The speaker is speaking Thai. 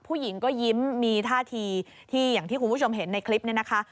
ผู้หญิงก็ยิ้มมีท่าทีที่อย่างที่คุณผู้ชมเห็นในคลิปนี้นะคะ